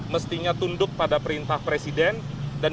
mestinya tunduk pada perintah presiden